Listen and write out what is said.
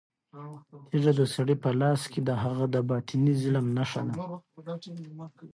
تیږه د سړي په لاس کې د هغه د باطني ظلم نښه وه.